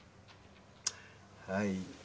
はい。